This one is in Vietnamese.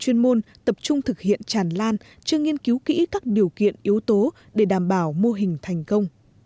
chuyên môn tập trung thực hiện tràn lan chưa nghiên cứu kỹ các điều kiện yếu tố để đảm bảo mô hình thành công